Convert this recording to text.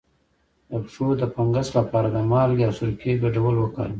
د پښو د فنګس لپاره د مالګې او سرکې ګډول وکاروئ